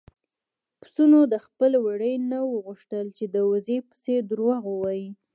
پسونو د خپل وري نه وغوښتل چې د وزې په څېر دروغ ووايي.